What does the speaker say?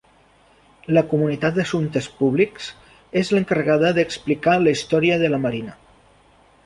La comunitat d'Assumptes Públics és l'encarregada d'explicar la història de la Marina.